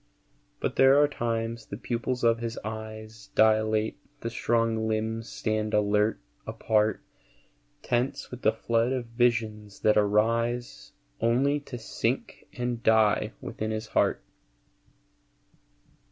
But there are times the pupils of his eyes Dilate, the strong limbs stand alert, apart, Tense with the flood of visions that arise Only to sink and die within his heart.